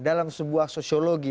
dalam sebuah sosiologi